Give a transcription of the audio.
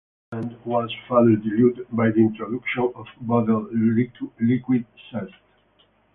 The brand was further diluted by the introduction of bottled liquid Zest.